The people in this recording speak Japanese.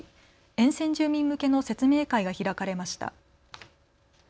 沿線住民向けの説明会が開かれました。